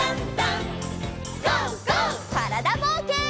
からだぼうけん。